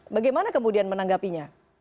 bagaimana kemudian menanggapinya